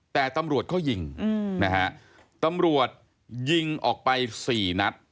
แต่ตำรวจเขายิงนะฮะตำรวจยิงออกไปสี่นัด